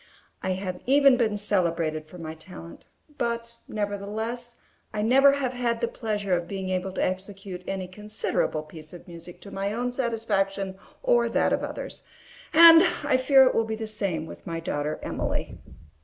I have even been celebrated for my talent; but, nevertheless, I never have had the pleasure of being able to execute any considerable piece of music to my own satisfaction or that of others; and I fear it will be the same with my daughter Emily.